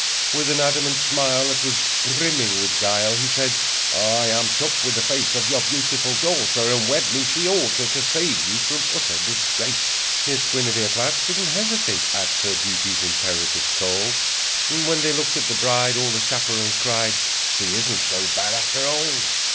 With an adamant smile That was brimming with guile, He said: "I am took with the face Of your beautiful daughter, And wed me she ought ter, To save you from utter disgrace!" Miss Guinevere Platt Didn't hesitate at Her duty's imperative call. When they looked at the bride All the chaperons cried: "She isn't so bad, after all!"